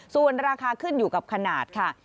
ส่วนราคาขึ้นอยู่กับขนาดค่ะ